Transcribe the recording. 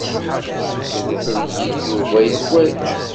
Yessuter-iyi-d Yuba i zzwaǧ.